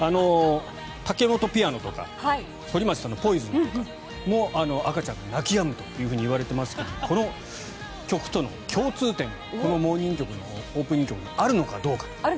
タケモトピアノとか反町さんの「ＰＯＩＳＯＮ」とかも赤ちゃんが泣きやむといわれていますけれどもこの曲との共通点がこのオープニング曲にあるのかどうか。